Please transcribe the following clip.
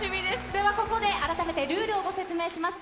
では、ここで改めてルールをご説明します。